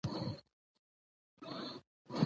یوه سپینه، ښکلې ناوې د رنګارنګ جامو سره ناسته وه.